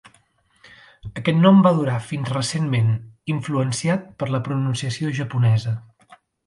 Aquest nom va durar fins recentment, influenciat per la pronunciació japonesa.